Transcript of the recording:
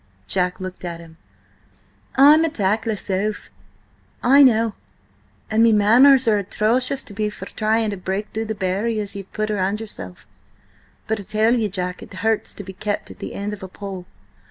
Jack looked at him. "Oh, ay! I'm a tactless oaf, I know, and me manners are atrocious to be for trying to break through the barriers ye've put up round yourself. But, I tell ye, Jack, it hurts to be kept at the end of a pole!